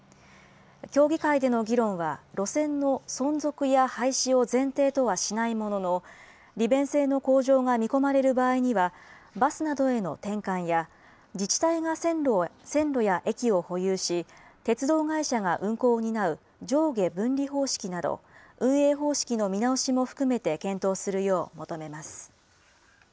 協議会での議論は、路線の存続や廃止を前提とはしないものの、利便性の向上が見込まれる場合には、バスなどへの転換や、自治体が線路や駅を保有し、鉄道会社が運行を担う上下分離方式など、運営方式の見直しも含めて検討をするよう求めます。